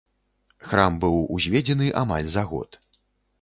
Храм быў узведзены амаль за год.